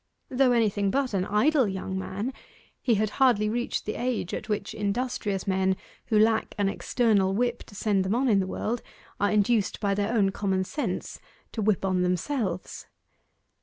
Though anything but an idle young man, he had hardly reached the age at which industrious men who lack an external whip to send them on in the world, are induced by their own common sense to whip on themselves.